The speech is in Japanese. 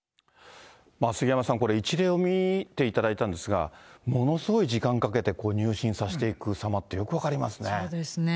杉山さん、これ、一例を見ていただいたんですが、ものすごい時間かけてこう入信させていくさまっていうのがよく分そうですね。